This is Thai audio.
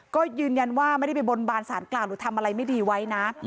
ก็ยืนยันว่าไม่ได้ไปบนบานสารกล่าวหรือทำอะไรไม่ดีไว้นะ